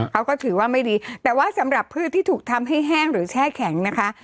เขาก็ถือว่าไม่ดีแต่ว่าสำหรับพืชที่ถูกทำให้แห้งหรือแช่แข็งนะคะ